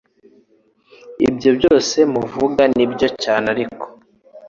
ibyo byose muvuga nibyo cyane ariko